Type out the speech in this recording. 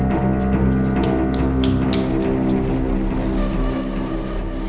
itu berapa ini